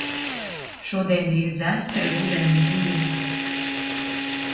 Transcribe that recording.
Šodien bija dzestra rudens diena.